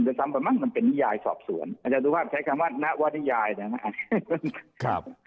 จะซ้ำไปมั่งมันเป็นนิยายสอบส่วนอาจารย์ดูภาพใช้คำว่านวดยายนะครับ